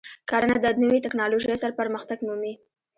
کرنه د نوې تکنالوژۍ سره پرمختګ مومي.